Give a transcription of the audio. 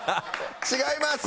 違います。